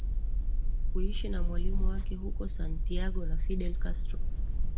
Kuishi na mwalimu wake huko Santiago na Fidel Castro